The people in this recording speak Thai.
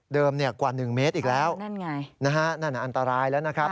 เดิมกว่า๑เมตรอีกแล้วนะฮะนั่นอันตรายแล้วนะครับ